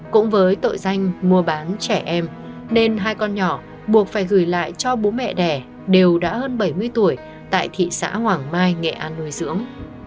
cũng với tội danh mua bán trẻ em nên hai con nhỏ buộc phải gửi lại cho bố mẹ đẻ đều đã hơn bảy mươi tuổi tại thị xã hoàng mai nghệ an nuôi dưỡng